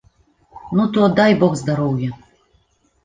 Ну, то дай бог здароўя.